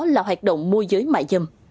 là hoạt động môi giới mại dâm